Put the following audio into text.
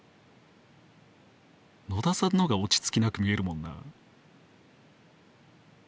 野田さんの方が落ち着きなく見えるもんな。